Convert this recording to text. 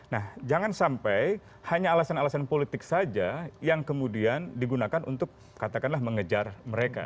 nah jangan sampai hanya alasan alasan politik saja yang kemudian digunakan untuk katakanlah mengejar mereka